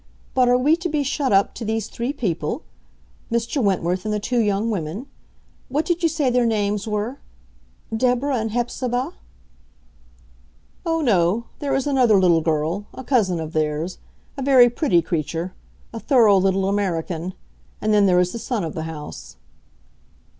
"But are we to be shut up to these three people, Mr. Wentworth and the two young women—what did you say their names were—Deborah and Hephzibah?" "Oh, no; there is another little girl, a cousin of theirs, a very pretty creature; a thorough little American. And then there is the son of the house."